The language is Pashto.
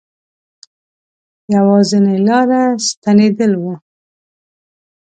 یوازنی لاره ستنېدل وه.